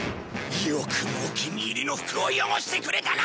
よくもお気に入りの服を汚してくれたな！